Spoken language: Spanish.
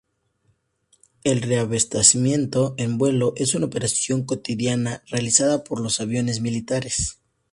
El reabastecimiento en vuelo es una operación cotidiana realizada por los aviones militares.